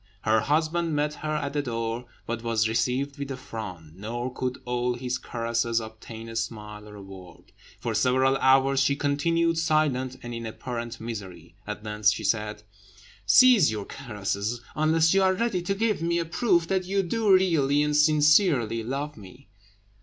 Her husband met her at the door, but was received with a frown, nor could all his caresses obtain a smile or a word; for several hours she continued silent, and in apparent misery. At length she said "Cease your caresses, unless you are ready to give me a proof that you do really and sincerely love me."